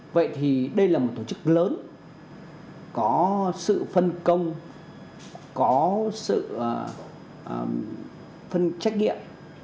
vậy thì đây là một tổ chức lớn có sự phân công có sự phân trách nhiệm